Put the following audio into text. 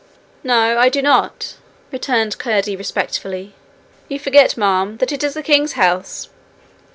'No, I do not,' returned Curdie respectfully. 'You forget, ma'am, that it is the king's house.'